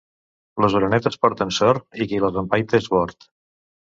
Les orenetes porten sort, i qui les empaita és bord.